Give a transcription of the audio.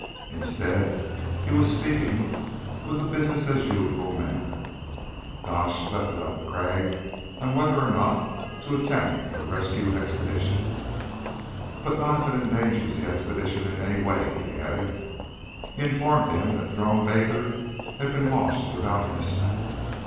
Instead he was speaking with a business as usual manner. Gotch left it up to Crag on whether or not to attempt a rescue expedition. "But not if it endangers the expedition in any way," he added. He informed him that Drone Baker had been launched without mishap.